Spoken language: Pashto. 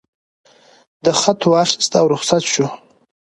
ده خط واخیست او رخصت شو.